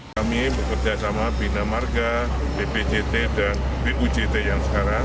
kami bekerja sama binamarga bpjt dan bujt yang sekarang